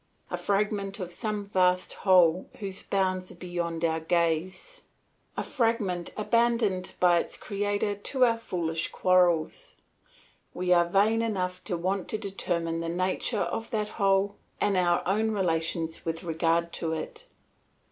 A fragment of some vast whole whose bounds are beyond our gaze, a fragment abandoned by its Creator to our foolish quarrels, we are vain enough to want to determine the nature of that whole and our own relations with regard to it.